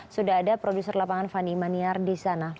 sudah ada produser lapangan fani maniar di sana